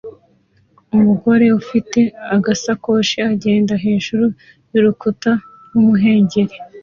Umugore ufite agasakoshi agenda hejuru y'urukuta rw'umuhengeri